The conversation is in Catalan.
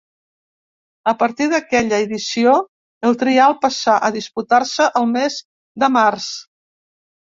A partir d'aquella edició, el trial passà a disputar-se el mes de març.